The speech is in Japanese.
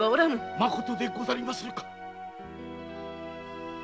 まことでございますか。